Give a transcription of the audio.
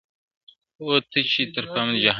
o چي تر پامه دي جهان جانان جانان سي,